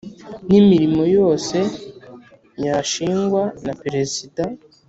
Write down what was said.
N imirimo yose yashingwa na peresida